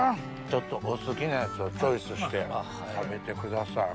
ちょっとお好きなやつをチョイスして食べてください。